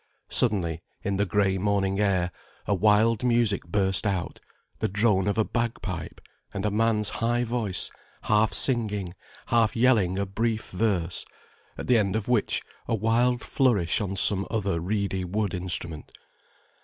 Suddenly, in the grey morning air, a wild music burst out: the drone of a bagpipe, and a man's high voice half singing, half yelling a brief verse, at the end of which a wild flourish on some other reedy wood instrument.